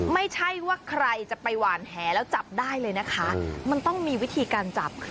ไม่ใช่ว่าใครจะไปหวานแหแล้วจับได้เลยนะคะมันต้องมีวิธีการจับ